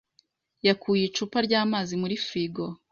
yakuye icupa ryamazi muri firigo.